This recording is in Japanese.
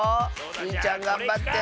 スイちゃんがんばって！